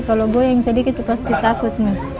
kalau goyang sedikit pasti takut